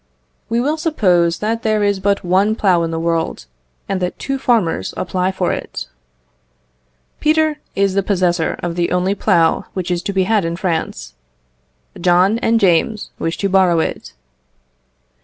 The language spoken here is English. We will suppose that there is but one plough in the world, and that two farmers apply for it. Peter is the possessor of the only plough which is to be had in France; John and James wish to borrow it.